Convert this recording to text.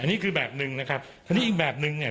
อันนี้คือแบบหนึ่งนะครับทีนี้อีกแบบนึงเนี่ย